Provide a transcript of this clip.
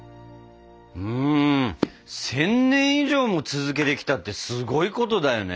うん１，０００年以上も続けてきたってすごいことだよね！